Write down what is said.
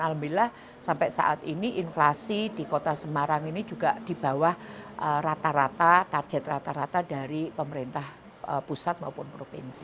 alhamdulillah sampai saat ini inflasi di kota semarang ini juga di bawah rata rata target rata rata dari pemerintah pusat maupun provinsi